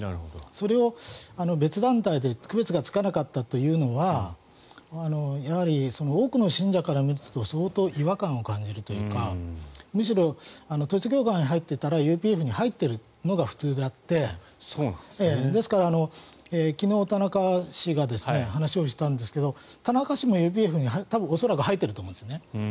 それを別団体で区別がつかなかったというのはやはり多くの信者から見ると相当、違和感を感じるというかむしろ、統一教会に入っていたらＵＰＦに入っているのが普通であってですから、昨日、田中氏が話をしていたんですが田中氏もＵＰＦに恐らく入っていると思うんですね。